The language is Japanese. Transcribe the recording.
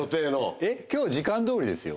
えっ今日時間どおりですよ。